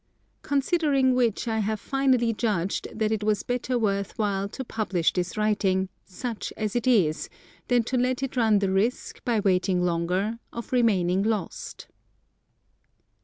Considering which I have finally judged that it was better worth while to publish this writing, such as it is, than to let it run the risk, by waiting longer, of remaining lost.